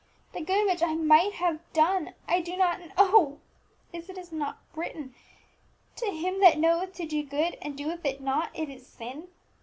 The good which I might have done, I do not; and oh! is it not written, _To him that knoweth to do good and doeth it not, it is sin?